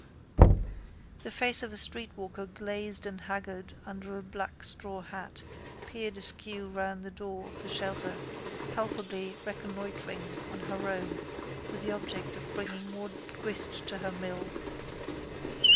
The face of a streetwalker glazed and haggard under a black straw hat peered askew round the door of the shelter palpably reconnoitring on her own with the object of bringing more grist to her mill.